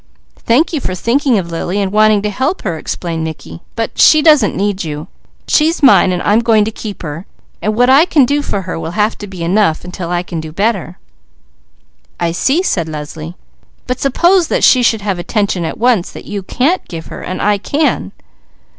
"Thank you for thinking of Lily and wanting to help her," explained Mickey, "but she doesn't need you. She's mine and I'm going to keep her; so what I can do for her will have to be enough, until I can do better." "I see," said Leslie. "But suppose that she should have attention at once, that you can't give her, and I can?"